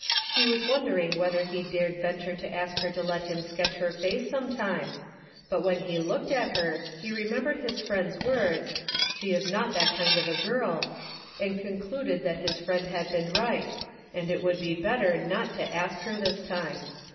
He was wondering whether he dared venture to ask her to let him sketch her face some time, but when he looked at her he remembered his friend's words, " She is not that kind of a girl," and concluded that his friend had been right, and it would be better not to ask her this time.